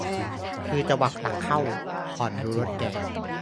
คือจวักตักเข้า ห่อนรู้รสแกง